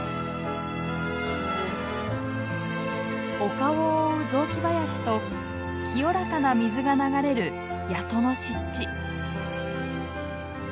丘を覆う雑木林と清らかな水が流れる谷戸の湿地。